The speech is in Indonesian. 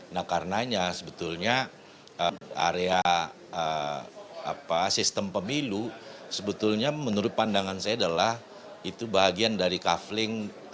nah karenanya sebetulnya area sistem pemilu sebetulnya menurut pandangan saya adalah itu bahagian dari kaveling